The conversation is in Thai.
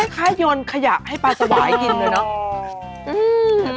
แค่ยนต์ขยะให้ปลาสวายกินเลยนะ